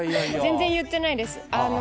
全然言ってないです。